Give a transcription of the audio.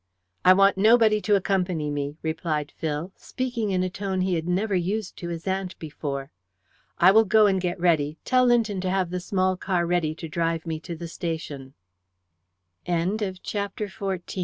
"I want nobody to accompany me," replied Phil, speaking in a tone he had never used to his aunt before. "I will go and get ready. Tell Linton to have the small car ready to drive me to the station." CHAPTER XV Colwyn had rooms in th